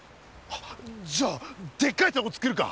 じゃあでっかいたこつくるか！